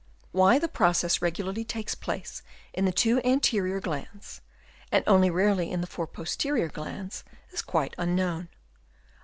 Why the process regularly takes place in the two anterior glands, and only rarely in the four posterior glands, is quite unknown.